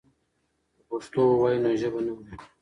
که پښتو ووایو نو ژبه نه مري.